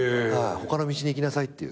他の道に行きなさいっていう。